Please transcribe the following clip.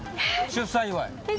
出産祝い。